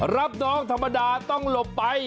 รับน้องธรรมดาต้องหลบไป